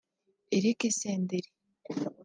Eric Senderi